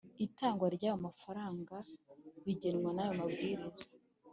Itanga ry ayo mafaranga bigenwa n Amabwiriza